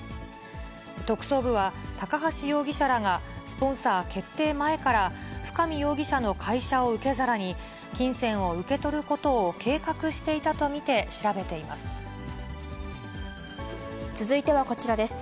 特捜部は、高橋容疑者らが、スポンサー決定前から深見容疑者の会社を受け皿に、金銭を受け取ることを計画していたと見て調べています。